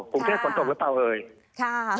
ภูมิเทศฝนตกหรือเปล่าเลยค่ะค่ะ